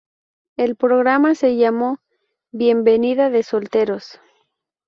El programa se llamó "Bienvenida de Solteros".